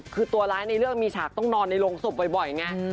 คือตัวร้ายในเรื่องมีฉากต้องนอนในโรงศพบ่อยไง